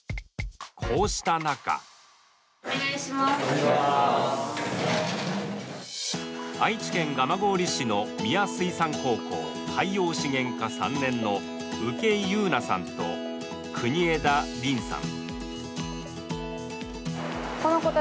こうした中愛知県蒲郡市の三宮水産高校海洋資源科３年の請井佑南さんと國枝凛さん